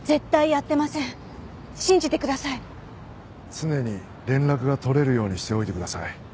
常に連絡が取れるようにしておいてください。